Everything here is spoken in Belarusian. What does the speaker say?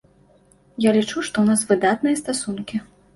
Я лічу, што ў нас выдатныя стасункі.